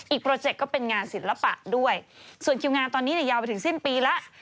โปรเจคก็เป็นงานศิลปะด้วยส่วนคิวงานตอนนี้เนี่ยยาวไปถึงสิ้นปีแล้ว